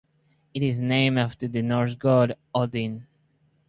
It is named after the Norse god Odin.